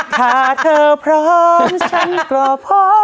ถ้าเธอพร้อมฉันก็พอ